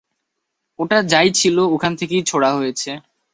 ওটা যাই ছিল, ওখান থেকেই ছোড়া হয়েছে।